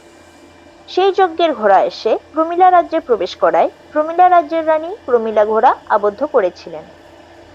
সেই যজ্ঞের ঘোড়া এসে প্রমীলা রাজ্যে প্রবেশ করায়, প্রমীলা রাজ্যের রানী প্রমীলা ঘোড়া আবদ্ধ করেছিলেন।